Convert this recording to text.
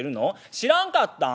「知らんかったん？